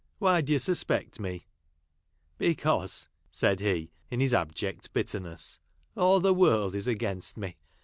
Why do you suspect me ?" "Because," said he ia his abject bitterness, " all the world is against me.